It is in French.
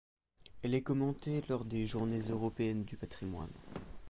Elle est commentée lors des Journées européennes du patrimoine.